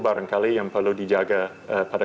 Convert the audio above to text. barangkali yang perlu dijaga pada